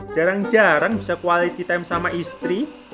jarang jarang bisa quality time sama istri